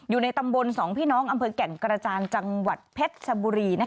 อยู่ในตำบลสองพี่น้องอำเภอแก่งกระจานจังหวัดเพชรชบุรี